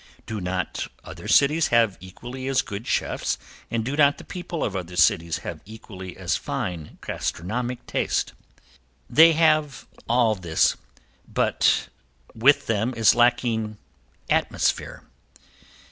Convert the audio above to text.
Do not other cities have equally as good chefs, and do not the people of other cities have equally as fine gastronomic taste? They have all this but with them is lacking "atmosphere."